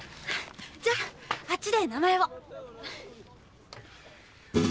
じゃああっちで名前を。